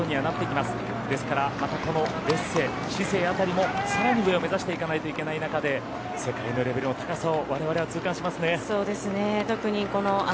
ですからまたこのデッセ、シセイ辺りもさらに上を目指していかなくてはならない中で世界のレベルの高さを我々は痛感しますね。